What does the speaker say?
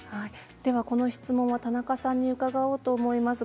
この質問は田中さんに伺おうと思います。